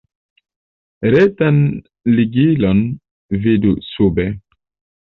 Retan ligilon vidu sube.